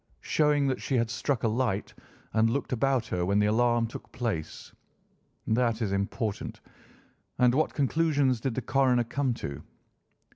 "Showing that she had struck a light and looked about her when the alarm took place. That is important. And what conclusions did the coroner come to?"